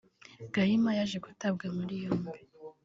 Gahima yaje gutabwa muri yombi